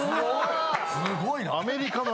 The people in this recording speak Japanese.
・すごいな！